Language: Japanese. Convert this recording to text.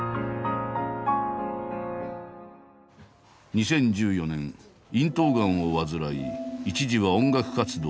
２０１４年咽頭がんを患い一時は音楽活動を休止。